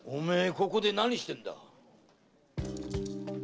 ここで何してるんだ？